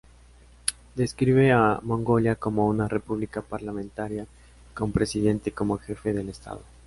Describe a Mongolia como una república parlamentaria con presidente como jefe del estado.